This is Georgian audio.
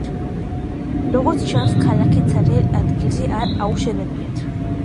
როგორც ჩანს ქალაქი ცარიელ ადგილზე არ აუშენებიათ.